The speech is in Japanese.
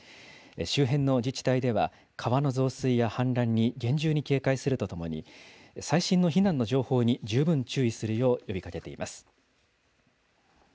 周辺の自治体では、川の増水や氾濫に厳重に警戒するとともに、最新の避難の情報に十分注意するよう呼びかけています。